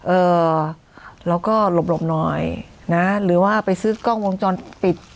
เอ่อเราก็หลบหลบหน่อยนะหรือว่าไปซื้อกล้องวงจรปิด